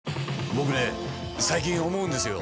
僕ね最近思うんですよ。